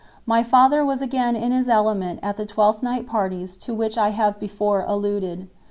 My father was again in his element at the Twelfth Night parties to which I have before alluded.